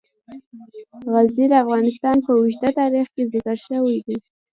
غزني د افغانستان په اوږده تاریخ کې ذکر شوی دی.